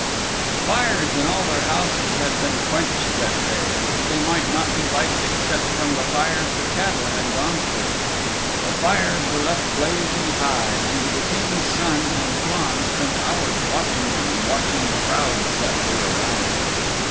The fires in all their houses had been quenched that day, and they might not be lighted except from the fires the cattle had gone through. The fires were left blazing high and the King's Son and Flann spent hours watching them, and watching the crowds that were around.